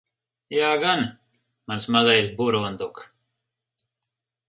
Jā gan, mans mazais burunduk.